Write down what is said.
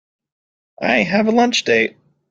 I have a lunch date.